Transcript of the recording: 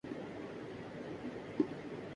نہ باہر کی دنیا ایسی باتیں سننے کیلئے تیار ہے۔